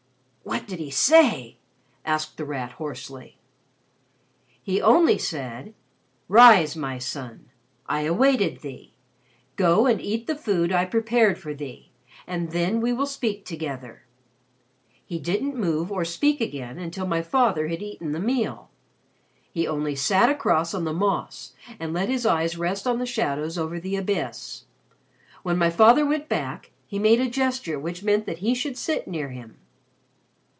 "What did he say?" asked The Rat hoarsely. "He only said, 'Rise, my son. I awaited thee. Go and eat the food I prepared for thee, and then we will speak together.' He didn't move or speak again until my father had eaten the meal. He only sat on the moss and let his eyes rest on the shadows over the abyss. When my father went back, he made a gesture which meant that he should sit near him.